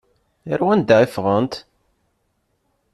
Ar wanda i ffɣent?